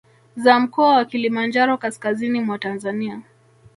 Za Mkoa wa Kilimanjaro Kaskazini mwa Tanzania